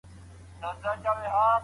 لوبه کول د ماشومانو طبیعي اړتیا ده.